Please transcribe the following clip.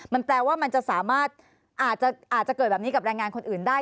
มันแปลว่ามันจะสามารถอาจจะเกิดแบบนี้กับแรงงานคนอื่นได้